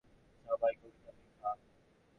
সংস্কৃত ভাষায় যাহা কিছু উচ্চচিন্তা, সবই কবিতায় লেখা।